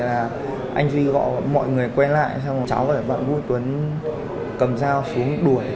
anh duy gọi mọi người quen lại cháu gọi bọn vũ tuấn cầm dao xuống đuổi